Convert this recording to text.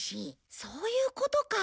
そういうことか。